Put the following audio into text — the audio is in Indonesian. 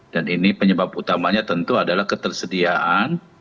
dan ini penyebab utamanya tentu adalah ketersediaan